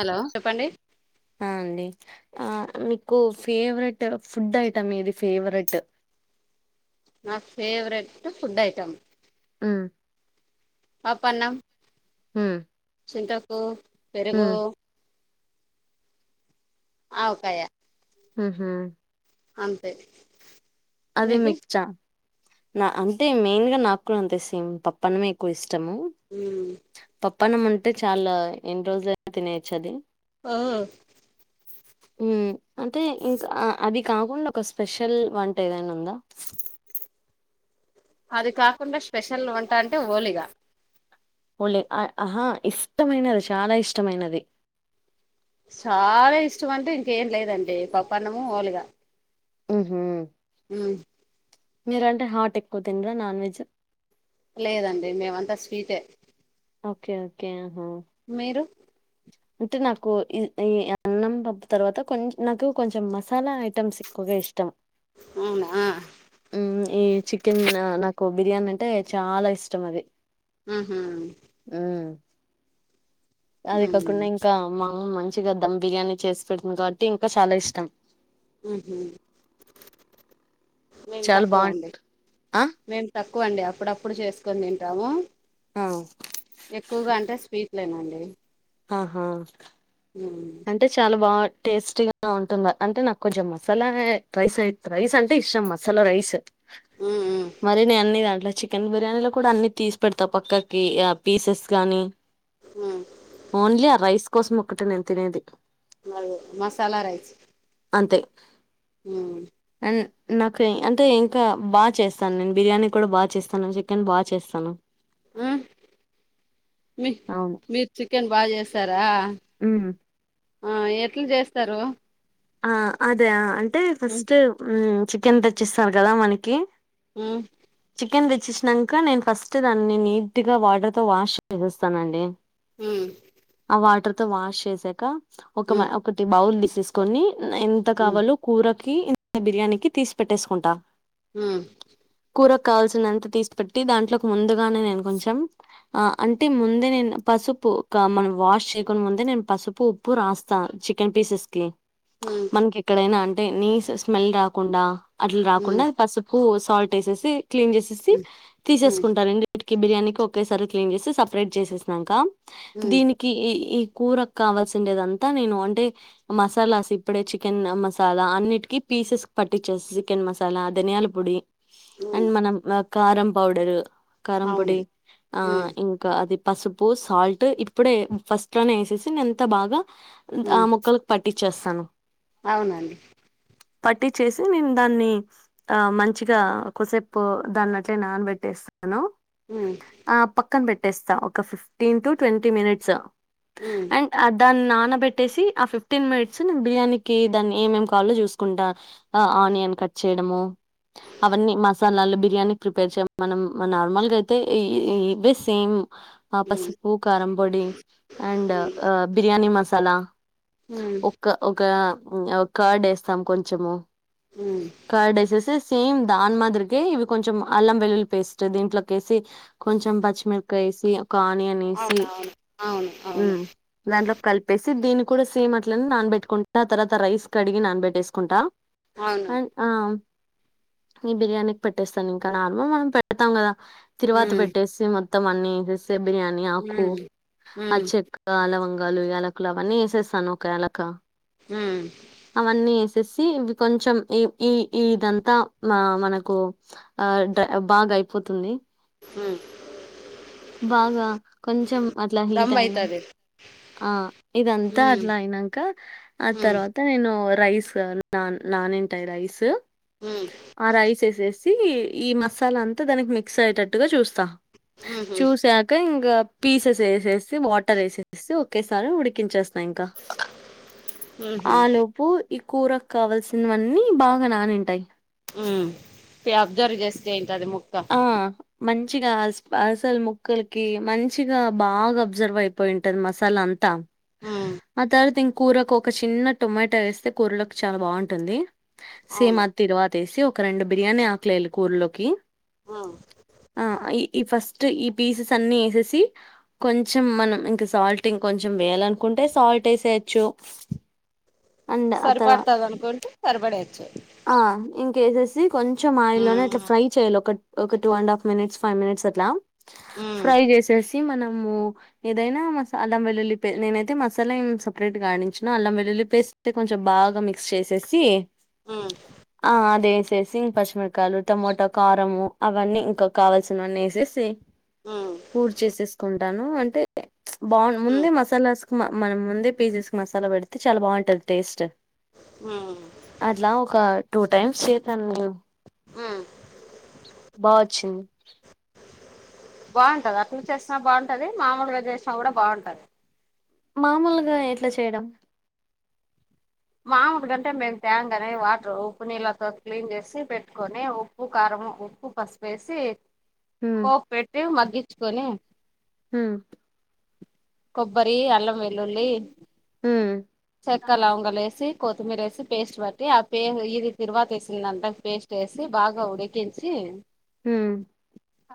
Hello చెప్పండి ఆ అండి ఆ మీకు ఫేవరెట్ ఫుడ్ ఐటమ్ ఏది ఫేవరెట్ నా ఫేవరెట్ ఫుడ్ ఐటెమ్ ఉమ్ పప్పు అన్నం ఉమ్ చింతొక్కు పెరుగూ ఉమ్ ఆవకాయ ఊహు అంతే అది మీది మిక్చ ఆ నా అంటే మెయిన్ గా నాకు కుడా అంతే సేమ్ పప్పన్నమే ఎక్కువ ఇష్టము ఉమ్ పప్ప అన్నం ఉంటే చాలా ఎన్ రోజులు అయినా తినేయొచ్చు అది ఆ ఉమ్ అంటే ఇంకా అ అది కాకుండా ఒక స్పెషల్ వంట టెదైనా ఉందా అది కాకుండా స్పెషల్ వంట అంటే ఓలిగా ఒళే అ ఆహా ఇష్టమైనది షాలా ఇష్టమైనది చాలా ఇష్టం అంటే ఇంకేం లేదండి పప్పన్నము ఓలిగా ఉహు ఉమ్ మీరు అంటే హాట్ ఎక్కువ తిండ్రా నాన్ వెజ్ లేదండి మేమ అంతా స్వీటే ఓకే ఓకే యహో మీరు అంటే నాకు ఇద్ ఈ అన్నం పప్పు తర్వాత కొంచ్ నాకు కొంచెం మసాలా ఐటమ్స్ ఎక్కువగా ఇష్టం త్తం అవునా ఉమ్ ఈ చికెన్ ఆ నాకు బిర్యానంటే చాలా ఇష్టం అది ఊహు మ్ అది కకున్ను ఇంకా మామ్ మంచిగా ధమ్ బిర్యానీ చేసి పెడుతుంది కావట్టి ఇంకా చాలా ఇష్టం. ఉ హు మేమ్ చాలా తక్కువ బాగుంట అండి. ఆ మేమ్ తక్కువండి అప్పుడప్పుడు చేసుకొని తింటాము. అవ్. ఎక్కువగా అంటే స్వీట్లేమో అండి. ఆహా. ఉమ్. అంటే చాలా బాన్ టేస్టీగా ఉంటుంద అంటే నాకు కొంచం మసాలా ఏ రైస్. రైస్ అంటే ఇష్టం మసాలా రైస్సు ఉమ్ మరి నే అన్ని దాంట్లో ఛీ. ఛీకెన్ బిర్యానీలో కూడా అన్ని తీసి పెడతా పక్కాకి య పీసెస్ గానీ. ఉమ్. ఓన్లి ఆ రైస్ కోసం మొక్కటే నేన్ తినేది. మల్ మసాల రైస్. అంతే. ఉమ్. ఎన్. నాకు ఏ అంటే ఇంకా బా చేస్తాను నేను బిర్యానీ కూడా బా చేస్తాను చికెన్ బా చేస్తాను. ఉమ్ మీ అవును మీరు చికెన్ బా జేస్తారా. ఉమ్. ఆ ఎట్లు జే స్తారు. ఆ అదే అంటే ఉమ్ ఫస్ట్ ఉమ్ చికెన్ తెచ్చిస్తారు కదా మనకి. ఉమ్. చికెన్ తెచ్చినంక నేన్ ఫస్ట్ దాన్ని నీట్ గా వాటర్ తో వాష్ చేసేస్తానండి. ఉమ్. ఆ వాటర్ తో వాష్ చేసాక ఒక మ ఉమ్ ఒకటి బౌల్ తీసేసుకొని ఎన్. ఎంత ఉమ్ కావాలో కూరకి అండ్ బిర్యానీకి తీసి పెట్టేసుకుంటా. ఉమ్. కూరక కావాల్సినంత తీసి పెట్టి దాంట్లోకి ముందుగానే నేను కొంచం. ఆ అంటే ముందే నేను పసుపు క మనం వాష్ చేయకుండ ముందే నేను పసుపు. ఉప్పు రాస్తా చికెన్ పీసెస్ కి. ఉమ్. ఇంక్కెడైనా అంటే నీస్ స్మెల్ రాకుండా అట్ల రాకుండా ఉమ్ పసు. ఉప్పు సాల్ట్ ఎసేసి ఇ క్లీన్ చేసేసి ఉమ్ తీసేసుకుంటారండి. ఇటిక బిర్యానీకి ఒకేసారి క్లీన్ జేసి సపరేట్ జేసేసినంక ఉమ్ దీని. కి ఈ ఈ కూరకావాల్సిండేదంతా నేను అంటే మసాలాస్. ఇప్పుడే చికెన్ ఆన్ మసాలా అన్నిటికిీ పీసెస్ పట్టించేస్ చికెన్ మసాలా ధనియాల పొడి. ఉమ్ అండ్ మనం వా కారం పౌడరు కారం పొడి అవును ఆ ఉమ్ ఇం. కా అది పసుపు సాల్ట్ ఇప్పుడే ఫస్ట్ లోనే ఎసేసి నెంత బాగా. ఇంకా ఆ ఉమ్ మొక్కలకు పట్టించేస్తాను. అవునండి. పట్టి చేసి నేను దన్ని. ఆ మంచిగా కొసేపు దాన్ని అట్లే నానబెట్టేస్తాను. ఉమ్ ఆ పక్కన పెట్టేస్తా ఒక ఫిఫ్టీన్త ట్వంటీ మినిట్స్ ఓ. ఉమ్. అ దాన్ని నానబెట్టేసి ఆ ఫిఫ్టీన్ మినిట్స్ బిర్యానీకి దాన్ని ఏమేం కావాలో చూసుకుంటా అ ఆనియన్ కట్ చేయడము అవన్నీ మసాలాలు బిర్యానీ ప్రిపేర్ చేయ మనం నార్మల్గా అయితే ఇ ఇ ఇవే సేమ్ ఆ ఉమ్ పసుపు కారం పొడి అండ్ ఉమ్ బిర్యానీ మసాలా ఉమ్ కా ఒకా మ్ అవ్ కర్డ్ ఎస్తాం కొంచము ఉమ్ కర్డ్ ఎసేసి సేమ్ దాని మాదిరికె ఇవి కొంచెం అల్లం వెల్లుల్లి పేస్ట్ దీంట్లోకి ఎసి కొంచెం పచ్చిమిరకాయ ఎసి ఒక ఆనియన్ ఎసి అవునవును అవును అవును మ్ దాంట్లోకి కలిపేసి దిన్ని కూడ సెమె అట్లనె నానబెట్ ట్కుంటా తర్వాత రైస్ కడిగి నానబెట్టేసుకుంటా అవును అండ్ ఆ నె బిర్యానీక్ పెట్టేస్తాను ఇంకా నార్మల్ మనం పెట్టుతాం కదా తిరువాత ఉమ్ పెట్టేసి మొత్తం అన్ని ఎసెస్తే బిర్యానీ ఆకు ఉమ్ ఆ ఉమ్ చెక్ ఆ లవంగాలు యలాకులు అవన్నీ వేసేస్తాను ఒక యలాక మ్ అవన్నీ ఎసేసి ఇవి కొంచెం ఈ ఈ ఇదంతా మా మనకు ఆ డ్రా బాగైపోతుంది హ్మ్ బాగా కొంచెం అట్ల హీట్ దమ్ అయినం అయితది ఆ ఇదంతా ఉమ్ అట్ల అయినంక ఆ ఉమ్ తర్వాత నేను రైస్ నాన్ నానింటాయ్ రైస్ మ్ ఆ రైస్ ఎసేసి ఈ మసాలా అంతా దానికి మిక్స్ అయేటట్టుగా చూస్తా ఉహు చూసాక ఇంగ పీసెస్ వేసేసి వాటర్ వేసేసి ఒకేసారి ఉడికించేస్తా ఇంకా ఉహు ఆలోపు ఈ కూర క్ కావల్సినవన్నీ బాగా నానింటాయి పే అబ్జర్వ్ చేస్తే ఉంటది ముక్క ఆ! మంచిగా అస అసలు ముక్కలకి మంచిగా బాగా అబ్జర్బ్ అయిపో పోయుంటాది మసాలా అంతా ఉమ్ ఆ తర్వాత ఇన్ కూరకు ఒక షీన్నా టొమాటా వేస్తే కూరలోకి చాలా బావుంటుంది సేమ్ అవును అది తిరువాత వేసి ఒక రెండు బిర్యానీ ఆకులు వెయ్యాలి కూరలోకి ఉ ఆ ఈ ఈ ఫస్ట్ ఈ పీసెస్ అన్ని వేసేసి కొంచెం మనం ఇంకా సాల్ట్ ఇంక కొంచెం వేయాలనుకుంటే సాల్ట్ వేసేయచ్చు సరిపడతది అనుకుంటే సరిపడవచ్చు ఆ ఇంకా ఏసేసి కొంచెం ఆయిల్లోనే ఇట్లా ఉమ్ ఫ్రై చేయ్యాలి ఒక్ ఒక two and half minutes five minutes అట్లా ఉమ్ ఫ్రై చేసేసి మనము ఏదైనా మసా అల్లం వెలుల్లి పేస్ట్ నేనైతే మసాలా ఏం సపరేట్ గా ఆడించను, అల్లం వెల్లుల్లి పేస్ట్ అయితే కొంచెం బాగా మిక్స్ చేసేసి ఉ ఆ అది ఎసేసి ఇన్ పచ్చిమిరకాయ టమోటా కారము అవన్నీ ఇంక కావలసినవన్నీ ఎసేసి ఉమ్ నూర్చేసేసుకుంటాను అంటే బాగు ముందే ఉమ్ మసాలాస్ మ మనం ముందే పే చేసుకొని మసాలా పెడితే చాలా బాగుంటది టేస్ట్ ఉ అట్ల ఒక టూ టైమ్స్ చేశాను నేను ఉమ్ బాచ్చింది బాగుంటది అట్లు చేసినా బాగుంటది మామూలుగా చేసినా కూడా బాగుంటది మామోలుగా ఎట్లా చేయడం మామూడు గంటే మేము త్యాము గాని వాటర్ ఉప్పు నీళ్ళతో క్లీన్ చేసి పెట్టుకొని ఉ ఉప్పు కారము ఉప్పు పసుపు వేసి హ్మ్ పోపు పెట్టి మగ్గిచుకొని ఉ కొబ్బరి అల్లం వెల్లుల్లి హ్మ్ చెక్క లవంగాలు వేసి కొత్తిమీర వేసి పేస్ట్ బట్టి ఆ పే ఇది తిరువాత వేసిందంతా పేస్ట్ వేసి బాగా ఉడికీన్ సి హ్మ్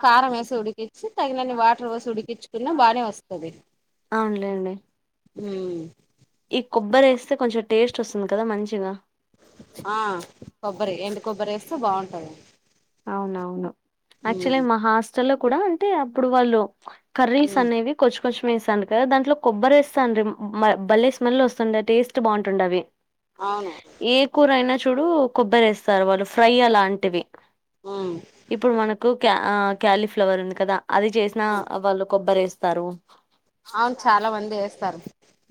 కారం వేసి ఉడికిచి తగినన్ని వాటర్ పోసి ఉడికించుకున్న బానే వస్తది అవును లేండి ఊ ఈ కొబ్బరి వేస్తే కొంచెం టేస్ట్ వస్తుంది కదా మంచిగా ఆ కొబ్బరి ఎండు కొబ్బరి వేస్తే బాగుంటది అవును అవును యాక్చువల్ ఉమ్ గా మా హాస్టల్లో కూడా అంటే అప్పుడు వాళ్లు కర్రీస్ ఉమ్ అనేవి కొచ్చు కొచ్చు ఉమ్ వేస్తాండు కదా దాంట్లో కొబ్బరి వేస్తాండ్రి బల్లే స్మెల్ వస్తాండే టేస్ట్ బాగుంటాండా అవి అవును ఏ కూర అయినా చూడు కొబ్బరి వేస్తారు వాళ్ళు ఫ్రై అలాంటివి ఉ ఇప్పుడు మనకు క్యా ఆ క్యాలీఫ్లవర్ ఉంది కదా అది చేసినా ఉమ్ వాళ్ళు కొబ్బరి వేస్తారు అవును చాలా మంది వేస్తారు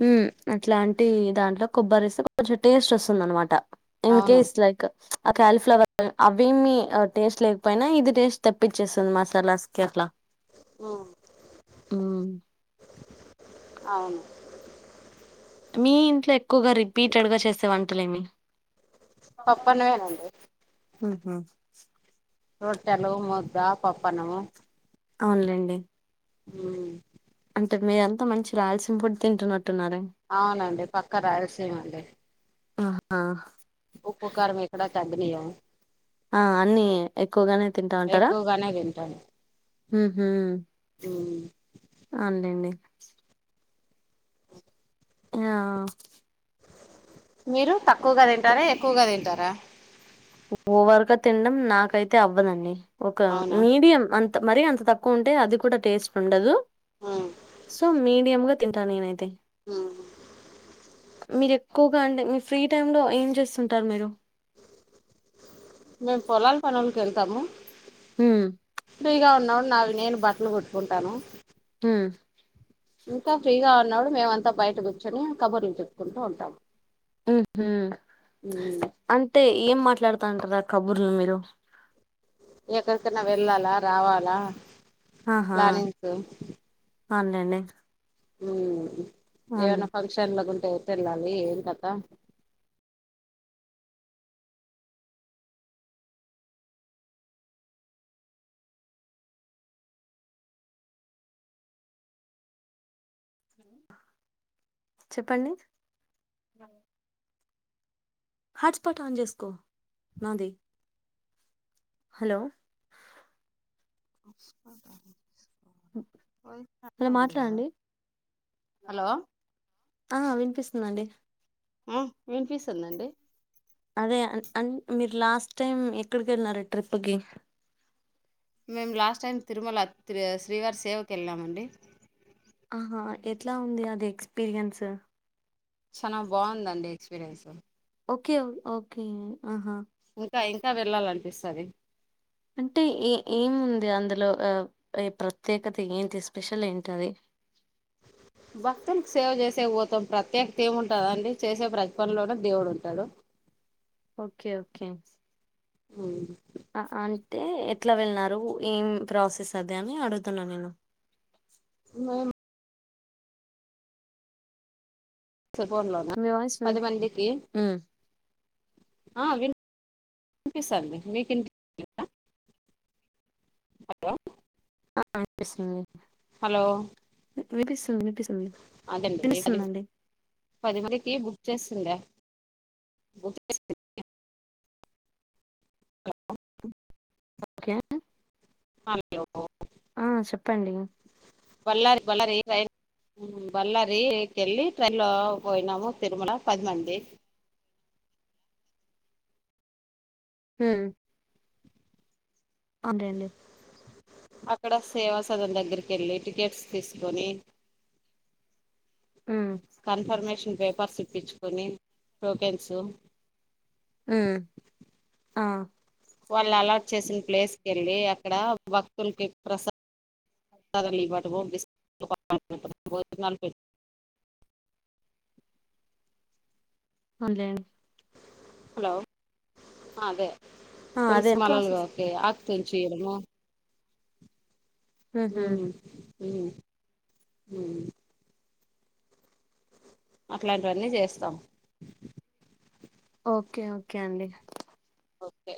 ఉహ్ అట్లాంటి దాంట్లో కొబ్బరి ఏస్తే కొంచెం టేస్ట్ వస్తుంది అన్నమాట ఇన్ అవును కేస్ లైక్ ప్చ్ ఆ క్యాలీఫ్లవర్ అవేమి టేస్ట్ లేకపోయినా ఇది టేస్ట్ తెప్పి చేస్తుంది మసాలాస్ కి అట్లా ఆ హ్మ్. అవును మీ ఇంట్లో ఎక్కువగా రిపీటెడ్ గా చేసే వంటలేమి పప్పన్నమేనండి ఉ హ రోట్టేలు ముద్ద పప్పన్నము అవునులేండి మ్ అంటే మీరంతా మంచి రాల్సిన ఫుడ్ తింటున్నట్టున్నారే అవునండి పక్క రాయలసీమ అండి ఆహా! ఉప్పు కారం మేక్కడ తగ్గానియ్యం ఆ అన్ని ఎక్కువగానే తింటా ఉంటారా బానే తింటాను ఉ మ్ హోమ్ అన్ లేండి య్య మీరు తక్కువగా తింటారా ఎక్కువగా తింటారా ఓవరగా తినడం నాకైతే అవ్వదండి ఒక అవునా మీడియం అం త్ మరీ అంత తక్కువుంటే అది కూడా టేస్ట్ ఉండదు ఉమ్. సో మీడియం గా తింటా నేనైతే హ్మ్ మీరు ఎక్కువగా అండీ మీ ఫ్రీ టైమ్ లో ఏం చేస్తుంటారు మీరు మేమ్ పొలాల్ పనులకి వెళ్తాము హ్మ్ ఫ్రీగా ఉన్న నావి నేను బట్లు కుట్టుకుంటాను హ్మ్ ఇంకా ఫ్రీగా ఉన్నాపుడు మేమంతా బయట కూర్చొని కబుర్లు చెప్పుకుంటూ ఉంటాము హ్మ్ హు ఉమ్. అంటే ఏం మాట్లాడుతా ఉంటారు ఆ కబుర్లు మీరు ఎక్కడీకన్నా వెళ్ళాలా రావాలా ఆహా ప్లానింగ్స్ ఉమ్. అవునులేండి హ్మ్ అవును. ఎవన్న ఫంక్షన్ ల గుంటే ఏటల్లాలి ఏం కతా చెప్పండి హాట్స్పాట్ ఆన్ చేసుకో నాది హలో వాయిస్ హలో కట్లో ఉంది కదా మాట్లాడండి హలో ఆ వినిపిస్తుందండి ఆ వినిపిస్తుందండి అదే అన్ మీరు లాస్ట్ టైం ఎక్కడికి వెళ్ళినార ట్రిప్ కి మేము లాస్ట్ టైం తిరుమల త్రి శ్రీవారి సేవకు వెళ్ళామండి ఆహా ఎట్లా ఉంది అది ఎక్స్పీరియన్స్ చానా బావుందండి ఎక్స్పీరియన్స్ ఓకే ఓకే ఆహా ఇంకా ఇంకా వెళ్ళాలనిపిస్తాది అంటే ఏ ఏముంది అందులో ఎ ప్రత్యేకత ఏంటి స్పెషల్ ఏంటది భక్తులకు సేవ చేసేకి పోతాం ప్రత్యేకత ఏమ్ ఉంటదండి చేసే ప్రతి పనిలోను దేవుడు ఉంటాడు ఓకే ఓకే హ్మ్ అ అంటే ఎట్లా వెళ్ళినారు ఏం ప్రాసెస్ అదని అడుగుతున్నా నేను మేం [unintelligible] ఫోన్లోనా మీ వాయిస్ విన్ పదిమందికి హ్మ్. ఆ వినిపిస్తంది మీకి విన్ [unintelligible] ఆ విన్పిస్తుంది హలో వి వినిపిస్తుంది వినిపిస్తుంది. అదండి అది వినిపిస్తుందండి. పది మందికి బుక్ చేసుండ బుక్ చేస్ ఓకే హలో ఆ చప్పండి ఇగ బళ్ళారి బళ్ళారి ట్రైన్ హ్మ్ బళ్ళరి కెళ్ళి ట్రైన్ లో పోయినాము తిరుమల పది మంది హ్మ్ అదేండి అక్కడ సేవా సదం దగ్గరికేళ్ళి టికెట్స్ తీసుకోని ఉమ్ కన్ఫర్మేషన్ పేపర్స్ ఇప్పించుకొని టోకెన్సు హ్మ్ ఆ వాళ్ళు అలాట్ చేసిన ప్లేస్ కేళ్ళి అక్కడ భక్తులకి ప్రసాదం ప్రసాదాలు ఇవ్వటం బిస్కెట్స్ పంచడం భోజనాలు పెట్టడం అవున్లేండి హలో ఆ అదే ఆ! అదే తులసి మాలలు ప్రాసెస్. ఓకే తెంచియ్యాడమో హుహు. ఉమ్ ఉమ్ ఉమ్ అట్లాంటివన్నీ చేస్తాం ఓకే ఓకే అండి ఓకే